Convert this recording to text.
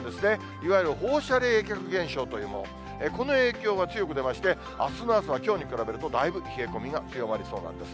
いわゆる放射冷却現象というもの、この影響が強く出まして、あすの朝はきょうに比べるとだいぶ冷え込みが強まりそうなんです。